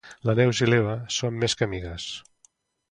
La Neus i l'Eva són més que amigues.